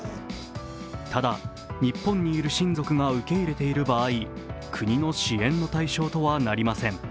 ただ、日本にいる親族が受け入れている場合、国の支援の対象とはなりません。